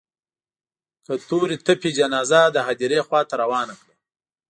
که تورې تپې جنازه د هديرې خوا ته روانه کړه.